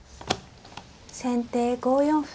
先手５四歩。